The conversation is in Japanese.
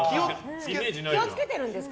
気を付けてるんですか？